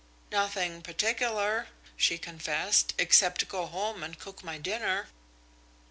"Nothing particular," she confessed, "except go home and cook my dinner."